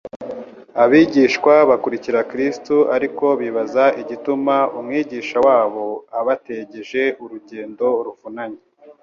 Abigishwa bakurikira Kristo ariko bibaza igituma Umwigisha wabo abategeje urugendo ruvunanye,